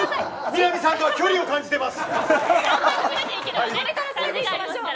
南さんが距離を感じています。